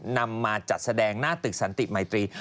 นำมาจัดแสดงหน้าตึกสันติมัยตรี